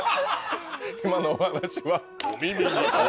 今のお話は。